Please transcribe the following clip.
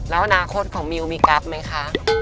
แล้วอนาคตของมิวมีกัลปล่ะมั้ยคะ